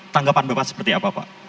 tanggapan bapak seperti apa pak